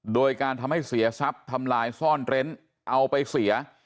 โดยการทำให้เสียทรัพย์ทำลายซ่อนเร้นเอาไปเสีย